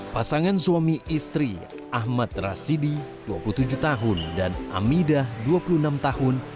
pasangan suami istri ahmad rasidi dua puluh tujuh tahun dan amidah dua puluh enam tahun